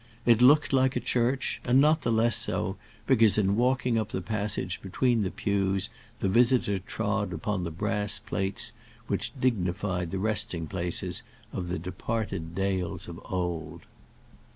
It looked like a church, and not the less so because in walking up the passage between the pews the visitor trod upon the brass plates which dignified the resting places of the departed Dales of old.